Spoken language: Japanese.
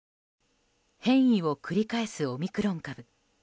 変異を繰り返すオミクロン株。